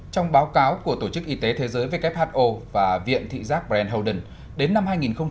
trong báo cáo của tổ chức y tế thế giới who và viện thị giác brandholden đến năm hai nghìn năm mươi